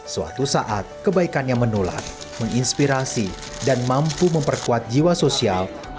suatu saat kebaikannya menular menginspirasi dan mampu memperkuat jiwa sosial